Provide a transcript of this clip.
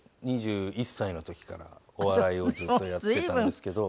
２１歳の時からお笑いをずっとやってたんですけど。